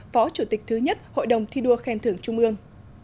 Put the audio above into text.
phó chủ tịch thứ nhất hội đồng thi đua khen thưởng trung ương